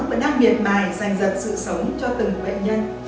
vẫn đang miệt mài dành giật sự sống cho từng bệnh nhân